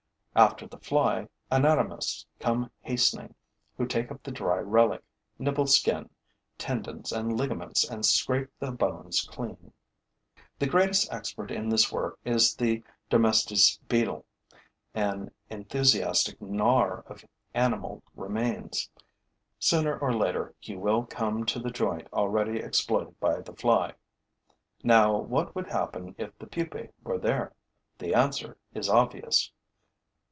After the fly, anatomists come hastening, who take up the dry relic, nibble skin, tendons and ligaments and scrape the bones clean. The greatest expert in this work is the Dermestes beetle, an enthusiastic gnawer of animal remains. Sooner or later, he will come to the joint already exploited by the fly. Now what would happen if the pupae were there? The answer is obvious.